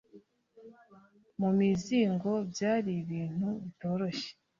mu muzingo byari ibintu bitoroshye